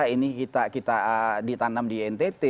ini kita ditanam di ntt